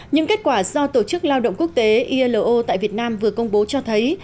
những kết quả do tổ chức lao động quốc tế ilo tại việt nam vừa công bố cho thấy